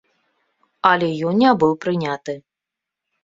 Але ён не быў прыняты.